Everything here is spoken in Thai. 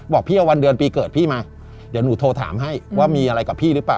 บอกพี่เอาวันเดือนปีเกิดพี่มาเดี๋ยวหนูโทรถามให้ว่ามีอะไรกับพี่หรือเปล่า